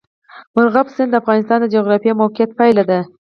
مورغاب سیند د افغانستان د جغرافیایي موقیعت پایله ده.